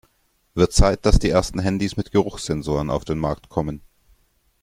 Wird Zeit, dass die ersten Handys mit Geruchssensoren auf den Markt kommen!